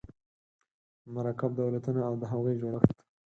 مرکب دولتونه او د هغوی جوړښت